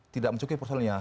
tidak mencukupi personilnya